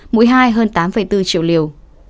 mũi hai hơn tám bốn triệu liều